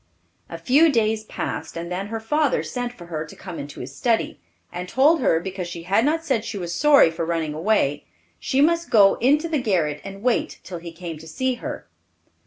A few days passed, and then her father sent for her to come into his study, and told her because she had not said she was sorry for running away, she must go into the garret, and wait till he came to see her.